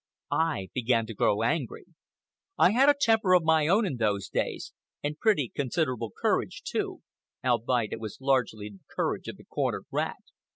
I began to grow angry. I had a temper of my own in those days, and pretty considerable courage, too, albeit it was largely the courage of the cornered rat.